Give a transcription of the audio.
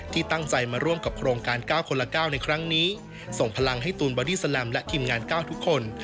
ที่ตั้งใจมาร่วมกับโครงการ๙คนละ๙ในครั้งนี้ส่งพลังให้ตูนบอดี้แลมและทีมงาน๙ทุกคน